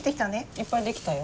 いっぱい出来たよ。